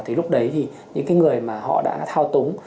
thì lúc đấy thì những cái người mà họ đã thao túng